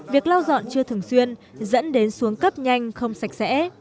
việc lau dọn chưa thường xuyên dẫn đến xuống cấp nhanh không sạch sẽ